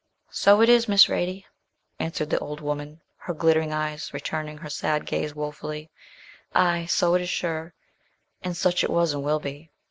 'So it is, Miss Radie,' answered the old woman, her glittering eyes returning her sad gaze wofully. 'Aye, so it is, sure! and such it was and will be.